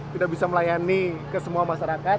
tidak bisa melayani ke semua masyarakat